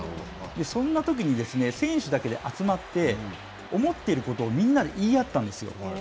そんなときに、選手だけで集まって、思っていることをみんなで言い合ったんですよ。